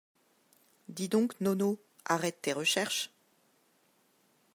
Dis donc nono, arrête tes recherches.